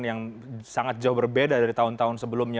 yang sangat jauh berbeda dari tahun tahun sebelumnya